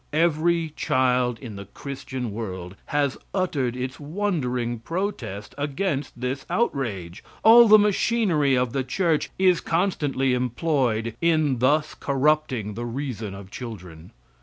Every child in the Christian world has uttered its wondering protest against this outrage. All the machinery of the church is constantly employed in thus corrupting the reason of children.